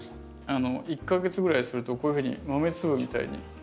あの１か月ぐらいするとこういうふうに豆粒みたいに。